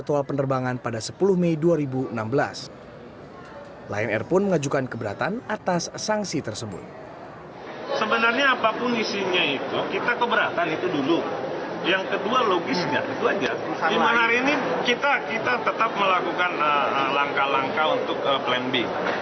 di mana hari ini kita tetap melakukan langkah langkah untuk plan b